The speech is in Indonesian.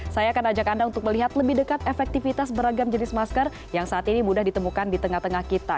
saya akan ajak anda untuk melihat lebih dekat efektivitas beragam jenis masker yang saat ini mudah ditemukan di tengah tengah kita